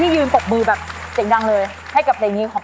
หัวใจยังห่วง